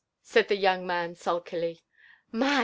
said'lhe young man sulkily. *• My